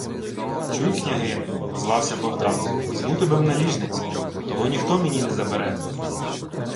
— Чуй, княгине, — озвався Богдан, — візьму тебе в наліжниці — того ніхто мені не заперетить!